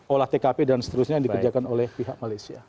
olah tkp dan seterusnya yang dikerjakan oleh pihak malaysia